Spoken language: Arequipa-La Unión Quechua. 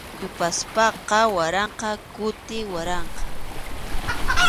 Yupaspaqa waranqa kuti waranqa.